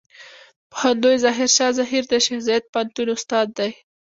پوهندوی ظاهر شاه زهير د شیخ زايد پوهنتون استاد دی.